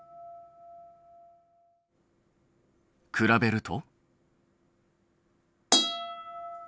比べると。